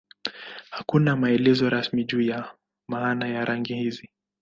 Hakuna maelezo rasmi juu ya maana ya rangi hizi.